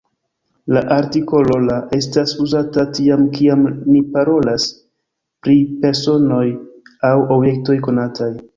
La artikolo « la » estas uzata tiam, kiam ni parolas pri personoj aŭ objektoj konataj.